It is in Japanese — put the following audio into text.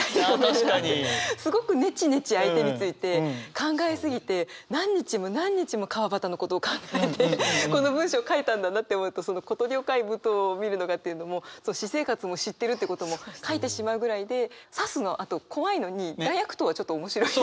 すごくネチネチ相手について考え過ぎて何日も何日も川端のことを考えてこの文章書いたんだなって思うとその「小鳥を飼い舞踏を見るのが」というのも私生活も知ってるってことも書いてしまうぐらいで「刺す」のあと怖いのに「大悪党」はちょっと面白い。